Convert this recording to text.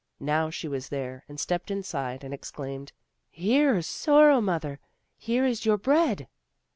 Now she was there and stepped inside and exclaimed: "Here, Sorrow mother, here is your bread!"